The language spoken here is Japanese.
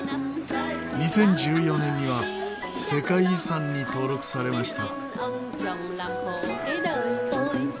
２０１４年には世界遺産に登録されました。